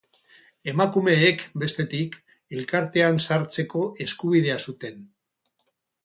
Emakumeek, bestetik, elkartean sartzeko eskubidea zuten.